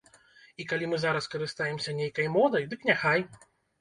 І, калі мы зараз карыстаемся нейкай модай, дык няхай!